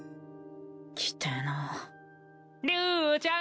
着てえな・竜ちゃん！